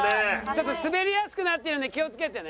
ちょっと滑りやすくなってるんで気をつけてね。